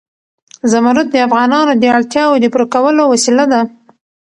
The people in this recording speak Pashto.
زمرد د افغانانو د اړتیاوو د پوره کولو وسیله ده.